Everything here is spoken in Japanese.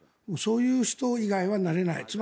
そういう人以外はなれない。